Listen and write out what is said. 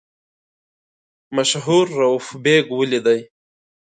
مشهور رووف بېګ ولیدی.